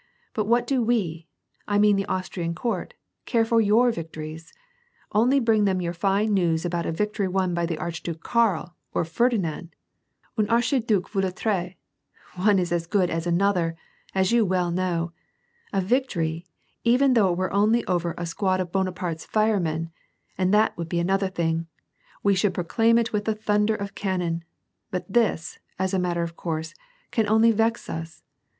but what do we, I mean the Austrian Court, care for your victories ! Only bring them your fine news about a victory won by the Archduke Karl, or Ferdinand — un archiduc vaut V autre — one is as good as another, as you know well, a victory, even though it were only over a squad of Bonapaite's firemen, and that would be another thing, we should proclaim it with the thimder of cannon. But this, as a matter of course, can only vex us.